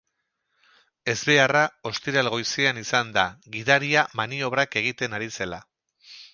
Ezbeharra ostiral goizean izan da, gidaria maniobrak egiten ari zela.